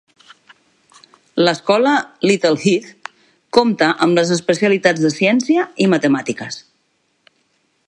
L'escola Little Heath compte amb les especialitats de Ciència i Matemàtiques.